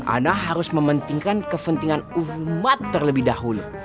ana harus mementingkan kepentingan umat terlebih dahulu